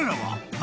何？